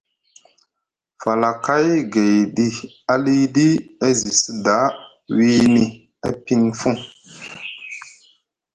Falakay gayɗi aliɗi e zi sda wiini epinfuŋ.